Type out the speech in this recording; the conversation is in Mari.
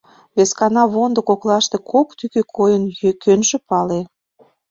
Вескана вондо коклаште кок тӱкӧ койын, кӧнжӧ пале...